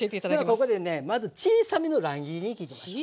ではここでねまず小さめの乱切りに切りましょう。